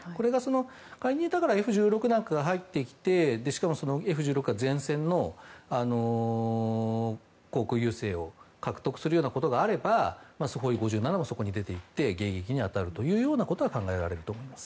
仮にＦ１６が入ってきてしかもＦ１６が前線の航空優勢を獲得するようなことがあればスホイ５７もそこに出て行って迎撃に当たることは考えられると思います。